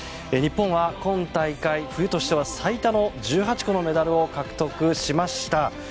日本は今大会、冬としては最多の１８個のメダルを獲得しました。